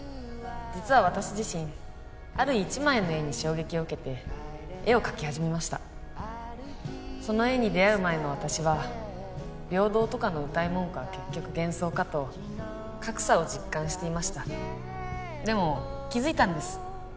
実は私自身ある一枚の絵に衝撃を受けて絵を描き始めましたその絵に出会う前の私は平等とかのうたい文句は結局幻想かと格差を実感していましたでも気づいたんです